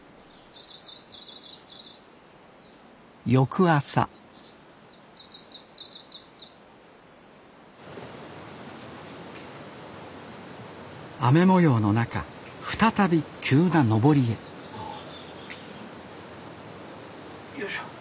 翌朝雨もようの中再び急な登りへよいしょ。